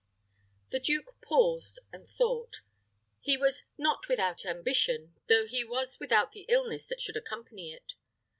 The duke paused and thought. He was "not without ambition, though he was without the illness that should accompany it."